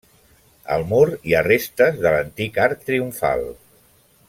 Al mur hi ha restes de l'antic arc triomfal.